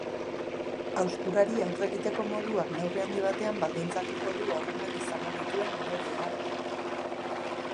Hausturari aurre egiteko moduak neurri handi batean baldintzatuko du haurrengan izango dituen ondorioak.